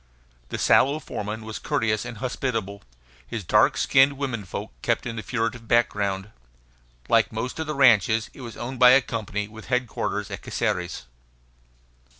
The sallow foreman was courteous and hospitable. His dark skinned women folk kept in the furtive background. Like most of the ranches, it was owned by a company with headquarters at Caceres.